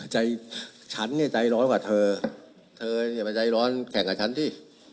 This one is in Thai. ใจฉันเนี่ยใจร้อนกว่าเธอเธออย่ามาใจร้อนแข่งกับฉันสิ